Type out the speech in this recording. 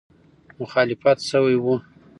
مخالفت سوی وو.